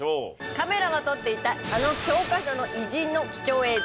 カメラは撮っていたあの教科書の偉人の貴重映像。